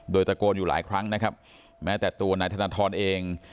โดยตะโกนอยู่หลายครั้งนะครับแม้แต่ตัวนายธนทรเอง